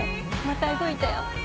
また動いたよ。